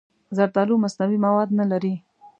زردالو مصنوعي مواد نه لري.